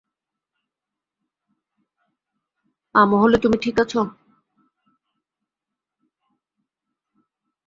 আমহলে - তুমি ঠিক আছো?